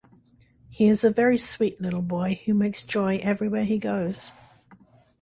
He is a very sweet little boy who makes joy everywhere he goes.